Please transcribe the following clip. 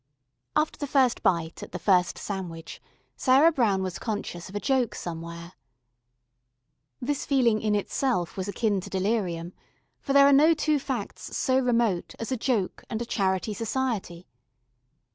After the first bite at the first sandwich, Sarah Brown was conscious of a Joke somewhere. This feeling in itself was akin to delirium, for there are no two facts so remote as a Joke and a Charity Society.